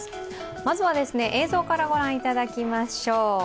まずは映像から御覧いただきましょう。